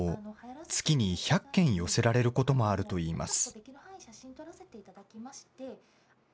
月に１００件寄せられることもあるといいます。